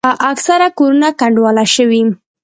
اکثره کورونه کنډواله شوي.